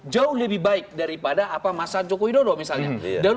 jauh lebih baik daripada masa joko widodo misalnya